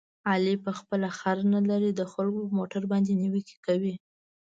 علي په خپله خر نه لري، د خلکو په موټرو باندې نیوکې کوي.